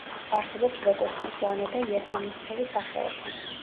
არსებობს როგორც მწვანე და იასამნისფერი სახეობა.